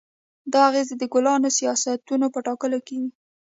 دا اغېز د کلانو سیاستونو په ټاکلو کې وي.